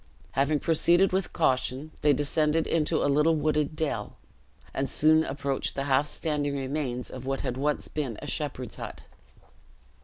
Having proceeded with caution, they descended into a little wooded dell, and soon approached the half standing remains of what had once been a shepherd's hut.